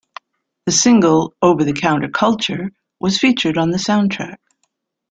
The single "Over the Counter Culture" was featured on the soundtrack.